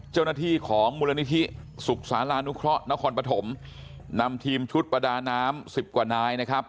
เจ้าหน้าที่ของมูลนิธิสุขศาลานุเคราะห์นครปฐมนำทีมชุดประดาน้ำสิบกว่านายนะครับ